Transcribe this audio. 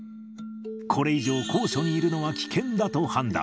これ以上、高所にいるのは危険だと判断。